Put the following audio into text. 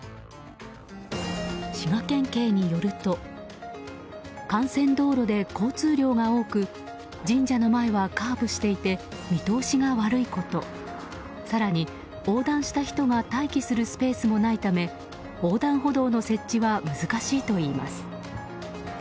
滋賀県警によると幹線道路で交通量が多く神社の前はカーブしていて見通しが悪いこと更に横断した人が待機するスペースもないため横断歩道の設置は難しいといいます。